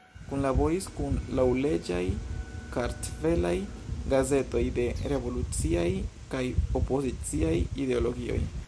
Kunlaboris kun laŭleĝaj kartvelaj gazetoj de revoluciaj kaj opoziciaj ideologioj.